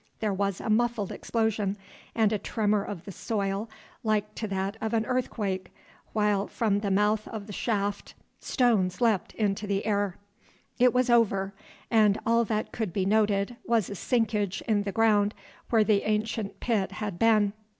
There was a muffled explosion and a tremor of the soil like to that of an earthquake, while from the mouth of the shaft stones leapt into the air. It was over, and all that could be noted was a sinkage in the ground where the ancient pit had been.